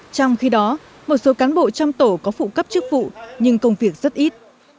trong khi đó một số cán bộ trong tổ có phụ cấp chức vụ nhưng công việc rất ít